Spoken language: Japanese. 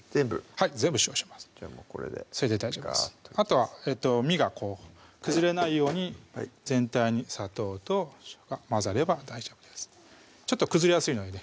はい全部しましょうじゃあこれでそれで大丈夫ですあとは身が崩れないように全体に砂糖と塩が混ざれば大丈夫ですちょっと崩れやすいのでね